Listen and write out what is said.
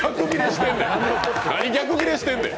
何逆切れしてんねん！